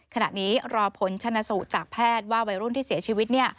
ขณะนี้รอผลชนสูตรจากแพทย์ว่าวัยรุ่นที่เสียชีวิต